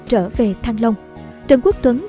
trở về thăng long trần quốc tuấn